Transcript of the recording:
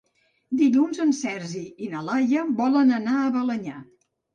Dilluns en Sergi i na Laia volen anar a Balenyà.